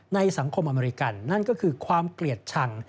ในสังคมอเมริกันนั่นก็คือความเกลียดชัง